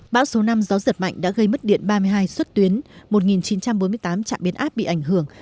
bão số năm gió giật mạnh đã gây mất điện ba mươi hai xuất tuyến một chín trăm bốn mươi tám trạm biến áp bị ảnh hưởng